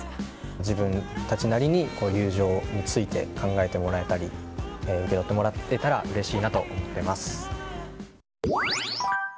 自分たちなりに友情について考えてもらえたり受け取ってもらえたらうれしいなと思っています。